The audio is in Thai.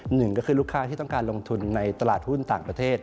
หนึ่งก็คือลูกค้าที่ต้องการลงทุนในตลาดหุ้นต่างประเทศ